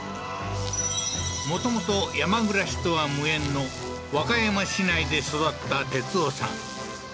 もともと山暮らしとは無縁の和歌山市内で育った哲男さん